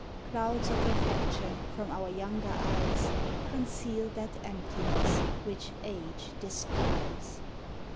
Clouds of affection from our younger eyes Conceal that emptiness which age descries.